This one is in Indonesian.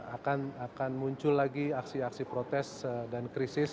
akan muncul lagi aksi aksi protes dan krisis